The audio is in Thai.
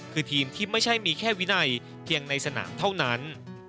คือทีมที่ไม่ใช่มีแค่วินัยเพียงในสนามเท่านั้น